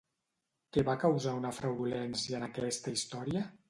Què va causar una fraudulència en aquesta història?